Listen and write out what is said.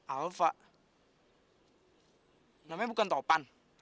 alva namanya bukan topan